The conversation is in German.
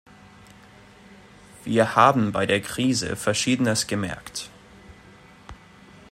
Wir haben bei der Krise Verschiedenes gemerkt.